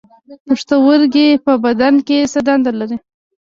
پښتورګي په بدن کې څه دنده لري